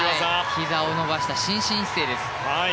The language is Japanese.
ひざを伸ばした伸身姿勢です。